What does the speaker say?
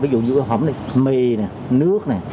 ví dụ dụ yếu phẩm mì nước